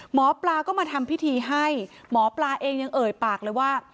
หมอปลาก็มาทำพิธีให้หมอปลาเองยังเอ่ยปากเลยว่า